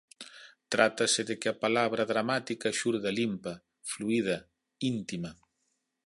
Trátase de que a palabra dramática xurda limpa, fluída, íntima.